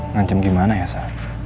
ngancem gimana ya sa